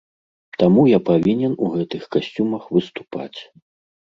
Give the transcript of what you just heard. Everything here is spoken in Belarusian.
Таму я павінен у гэтых касцюмах выступаць.